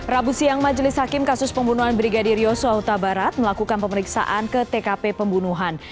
rabu siang majelis hakim kasus pembunuhan brigadir yosua huta barat melakukan pemeriksaan ke tkp pembunuhan